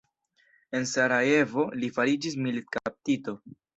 En Sarajevo li fariĝis militkaptito.